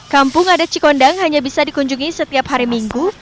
kampung adat cikondang hanya bisa dikunjungi setiap hari minggu